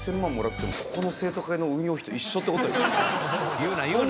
言うな言うな！